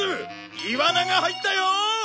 イワナが入ったよ！